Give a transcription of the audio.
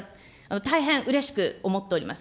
大変うれしく思っております。